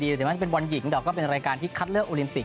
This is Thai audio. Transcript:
ไม่ใช่ว่าเป็นบอลหญิงแต่เป็นบอลที่คัดเลือกโอลินปิก